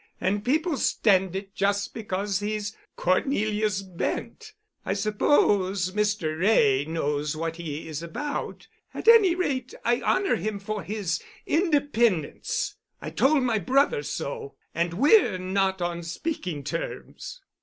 And people stand it just because he's Cornelius Bent. I suppose Mr. Wray knows what he is about. At any rate, I honor him for his independence. I told my brother so—and we're not on speaking terms."